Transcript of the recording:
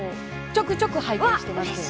ちょくちょく拝見しています。